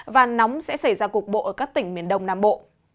và nóng sẽ xảy ra cục bộ ở các tỉnh miền đông nam bộ